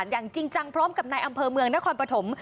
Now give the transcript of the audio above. อย่างจริงจังพร้อมกับนายอำเภอเมืองนครปฐม